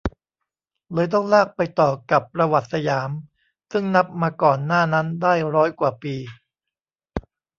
เลยต้องลากไปต่อกับประวัติสยาม ซึ่งนับมาก่อนหน้านั้นได้ร้อยกว่าปี